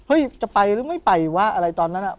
จะไปหรือไม่ไปวะอะไรตอนนั้น